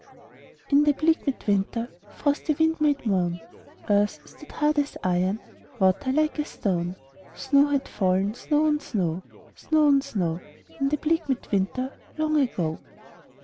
In the bleak mid winter Frosty wind made moan, Earth stood hard as iron, Water like a stone; Snow had fallen, snow on snow, Snow on snow, In the bleak mid winter Long ago.